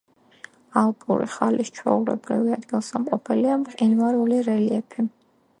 ალპური ხალის ჩვეულებრივი ადგილსამყოფელია მყინვარული რელიეფი.